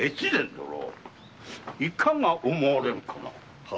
殿いかが思われるかな？